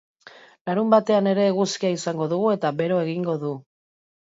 Larunbatean ere eguzkia izango dugu eta bero egingo du.